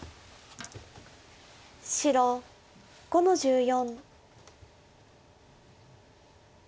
白５の十四。